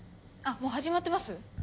もう始まってます？